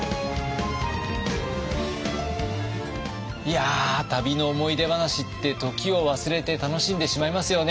いや旅の思い出話って時を忘れて楽しんでしまいますよね。